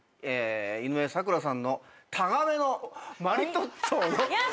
井上咲楽さんのタガメのマリトッツォの話です。